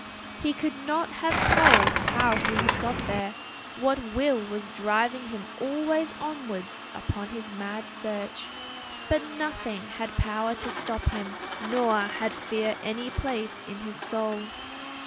He could not have told how he had got there; what will was driving him always onwards upon his mad search; but nothing had power to stop him, nor had fear any place in his soul.